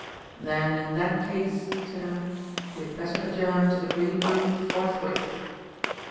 "Then in that case," said I, "we had better adjourn to the green room forthwith."